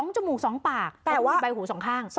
๒จมูก๒ปากมีใบหูสองข้าง